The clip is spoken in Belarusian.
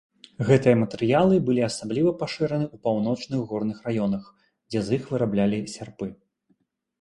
Гэтыя матэрыялы былі асабліва пашыраны ў паўночных горных раёнах, дзе з іх выраблялі сярпы.